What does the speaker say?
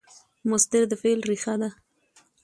مصدر د فعل ریښه ده.